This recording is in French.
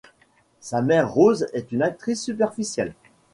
Sa mère Rose est une actrice superficielle.